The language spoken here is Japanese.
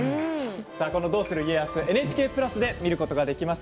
「どうする家康」はＮＨＫプラスで見ることができます。